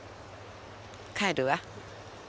帰るわ。